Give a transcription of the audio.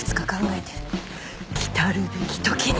来たるべき時に。